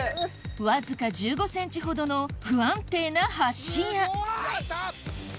わずか１５ｃｍほどの不安定な橋ややった！